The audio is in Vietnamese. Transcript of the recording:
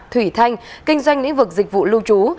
thủy thanh kinh doanh lĩnh vực dịch vụ lưu trú